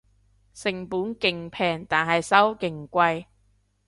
成本勁平但係收勁貴